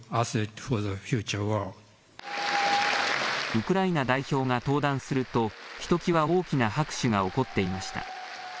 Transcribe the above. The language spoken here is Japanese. ウクライナ代表が登壇するとひときわ大きな拍手が起こっていました。